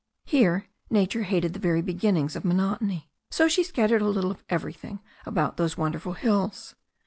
Here nature hated the very beginnings of monotony. So she scattered a little of everything about those wonderful hills.